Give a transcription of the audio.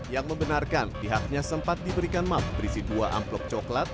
yang membenarkan pihaknya sempat diberikan map berisi dua amplop coklat